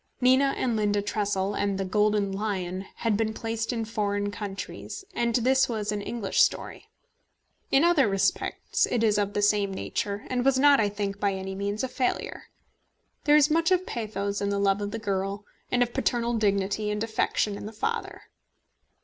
Nina and Linda Tressel and The Golden Lion had been placed in foreign countries, and this was an English story. In other respects it is of the same nature, and was not, I think, by any means a failure. There is much of pathos in the love of the girl, and of paternal dignity and affection in the father.